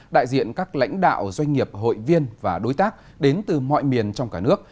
đại diện các lãnh đạo doanh nghiệp hội viên và đối tác đến từ mọi miền trong cả nước